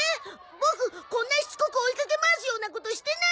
ボクこんなしつこく追いかけ回すようなことしてないよ！